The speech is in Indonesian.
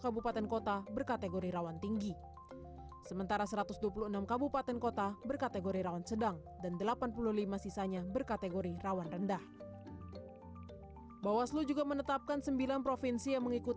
badan pengawas pemilu